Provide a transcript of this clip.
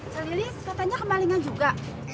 celilis katanya kemalingan juga